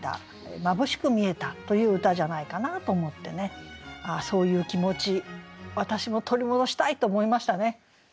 まぶしく見えたという歌じゃないかなと思ってねああそういう気持ち私も取り戻したいと思いましたね。